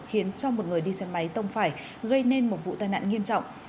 khiến cho một người đi xe máy tông phải gây nên một vụ tai nạn nghiêm trọng